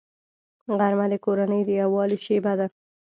غرمه د کورنۍ د یووالي شیبه ده